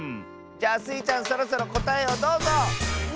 じゃあスイちゃんそろそろこたえをどうぞ！